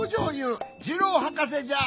ジローはかせじゃ！